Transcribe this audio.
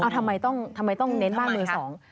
ทำไมต้องเน้นบ้านมือสอง